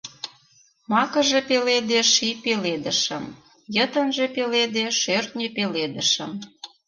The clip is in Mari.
Макыже пеледе ший пеледышым, Йытынже пеледе шӧртньӧ пеледышым.